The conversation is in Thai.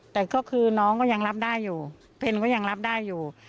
แต่ก็คือน้องก็ยังรับได้อยู่เพนก็ยังรับได้อยู่